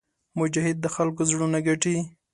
مجاهد د خلکو زړونه ګټي.